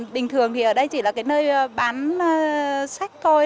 bình thường thì ở đây chỉ là cái nơi bán sách thôi